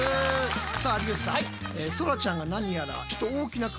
さあ有吉さん